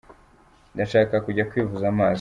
Ndashaka kujya kwivuza amaso.